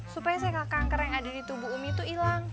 supaya sekelak kanker yang ada di tubuh umi tuh ilang